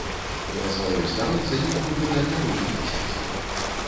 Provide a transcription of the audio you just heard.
І на сваёй старонцы ён нібыта не быў месяц.